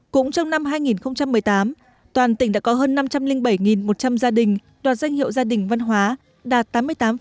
cũng trong năm hai nghìn một mươi tám toàn tỉnh đã có hơn năm trăm linh bảy một trăm linh gia đình đoạt danh hiệu gia đình văn hóa đạt tám mươi tám